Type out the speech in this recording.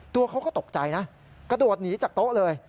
ตัวเขาก็ตกใจนะกระโดดหนีจากโต๊ะเลย